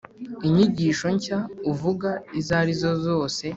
inyigisho nshya uvuga izo ari zozose